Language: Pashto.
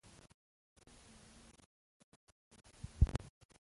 په هیواد کې پانګونه د بېکارۍ کچه راټیټوي.